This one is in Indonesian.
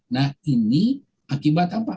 nah ini akibat apa